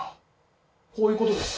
こういうことですか？